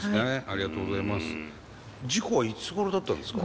事故はいつごろだったんですか？